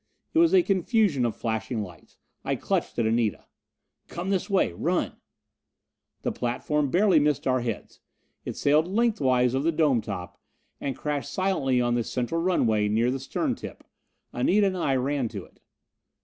It was a confusion of flashing lights. I clutched at Anita. "Come this way run!" The platform barely missed our heads. It sailed lengthwise of the dome top, and crashed silently on the central runway near the stern tip. Anita and I ran to it.